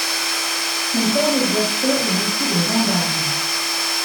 Son père exerçait le métier de gendarme.